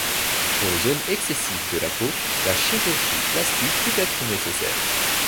Pour les zones excessives de la peau, la chirurgie plastique peut être nécessaire.